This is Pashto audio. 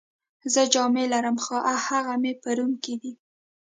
زه جامې لرم، خو هغه مې په روم کي دي.